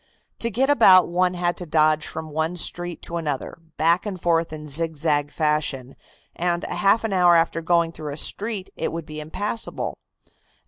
To get about one had to dodge from one street to another, back and forth in zigzag fashion, and half an hour after going through a street, it would be impassable.